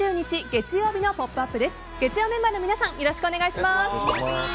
月曜メンバーに皆さんよろしくお願いします。